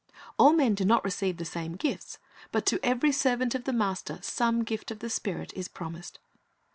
"^ All men do not receive the same gifts, but to every servant of the Master some gift of the Spirit is promised.